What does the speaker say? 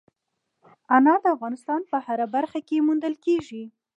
انار د افغانستان په هره برخه کې موندل کېږي.